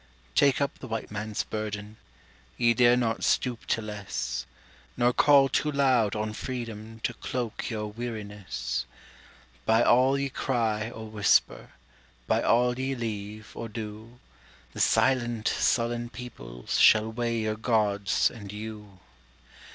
Take up the White Man's burden Ye dare not stoop to less Nor call too loud on Freedom To cloak your weariness; By all ye cry or whisper, By all ye leave or do, The silent, sullen peoples Shall weigh your Gods and you.